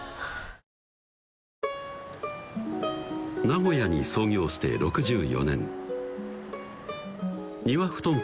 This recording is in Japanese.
名古屋に創業して６４年丹羽ふとん